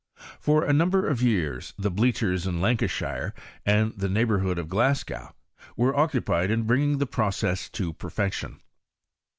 For a number of years the bleachers in Lancashire and the neighbourhood of Glasgow were occupied in bringing the process to perfection.